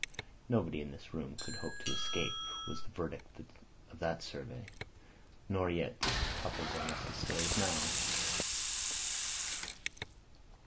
"Nobody in this room could hope to escape," was the verdict of that survey. "Nor yet this couple going up the stairs now."